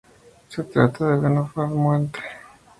Se trata de "Buenafuente".